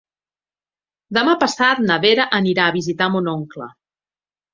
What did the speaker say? Demà passat na Vera anirà a visitar mon oncle.